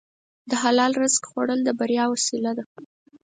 د حلال رزق خوړل د بریا وسیله ده.